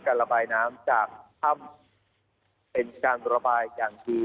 ระบายน้ำจากถ้ำเป็นการระบายอย่างดี